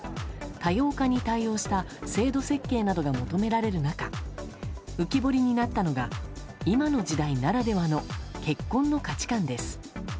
多様化に対応した制度設計などが求められる中浮き彫りになったのが今の時代ならではの結婚の価値観です。